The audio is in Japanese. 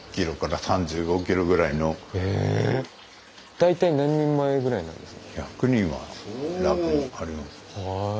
大体何人前ぐらいなんですか？